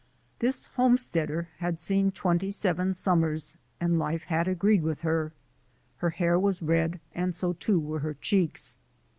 '' This homesteader had seen twenty seven sum mers and life had agreed with her. Her hair was red, and so, too, were her cheeks.